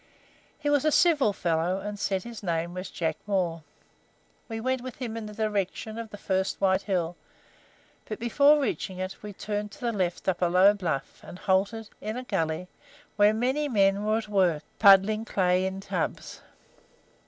He was a civil fellow, and said his name was Jack Moore. We went with him in the direction of the first White Hill, but before reaching it we turned to the left up a low bluff, and halted in a gully where many men were at work puddling clay in tubs.